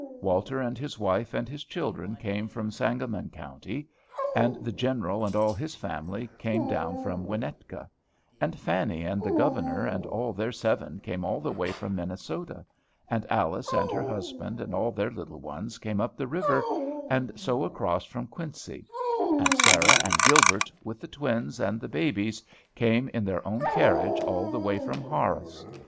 Walter and his wife and his children came from Sangamon County; and the General and all his family came down from Winetka; and Fanny and the Governor and all their seven came all the way from Minnesota; and Alice and her husband and all her little ones came up the river, and so across from Quincy; and Sarah and Gilbert, with the twins and the babies, came in their own carriage all the way from Horace.